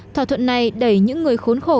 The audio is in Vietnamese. thỏa thuận này đẩy những người khốn khổ